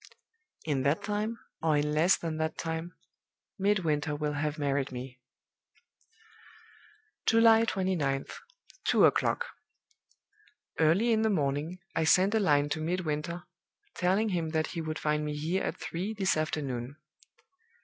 In that time, or in less than that time, Midwinter will have married me." "July 29th. Two o'clock. Early in the morning I sent a line to Midwinter, telling him that he would find me here at three this afternoon.